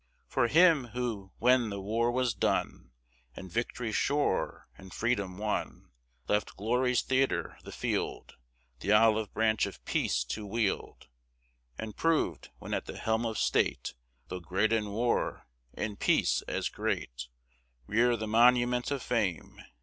For him, who, when the war was done, And victory sure, and freedom won, Left glory's theatre, the field, The olive branch of peace to wield; And proved, when at the helm of state, Though great in war, in peace as great; Rear the monument of fame!